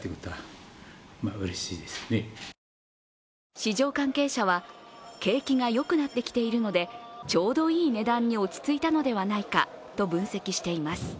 市場関係者は、景気が良くなってきているのでちょうどいい値段に落ち着いたのではないかと分析しています。